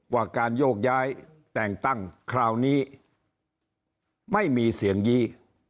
ว่าการโยกย้ายแต่งตั้งคราวนี้ไม่มีเสียงยี้